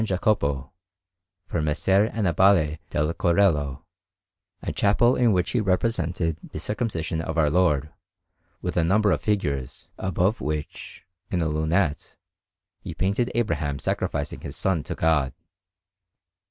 Jacopo, for Messer Annibale del Corello, a chapel in which he represented the Circumcision of Our Lord, with a number of figures, above which, in a lunette, he painted Abraham sacrificing his son to God.